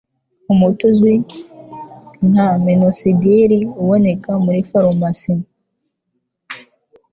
Umuti uzwi nka minoxidil uboneka muri farumasi